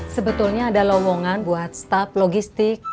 sebetulnya ada lowongan buat staf logistik